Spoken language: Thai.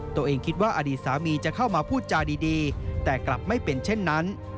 ตัวเองคิดว่าอดีตสามีจะเข้ามาพูดจาดีแต่กลับไม่เป็นเช่นนั้น